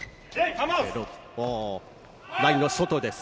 ラインの外です。